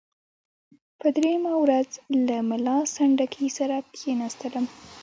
په دریمه ورځ له ملا سنډکي سره کښېنستلم.